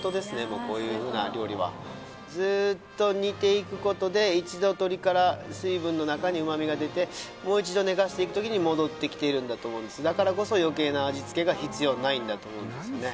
もうこういうふうな料理はずっと煮ていくことで一度鶏から水分の中に旨みが出てもう一度寝かしていく時に戻ってきているんだと思うんですだからこそ余計な味付けが必要ないんだと思うんですよね